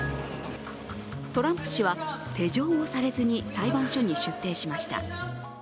トランプ氏は手錠をされずに裁判所に出廷しました。